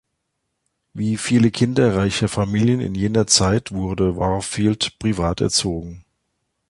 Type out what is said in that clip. Wie viele Kinder reicher Familien in jener Zeit wurde Warfield privat erzogen.